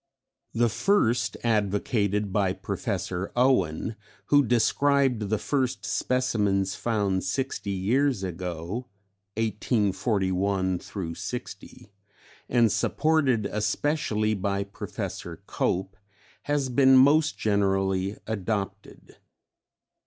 The first, advocated by Professor Owen, who described the first specimens found sixty years ago (1841 60) and supported especially by Professor Cope, has been most generally adopted.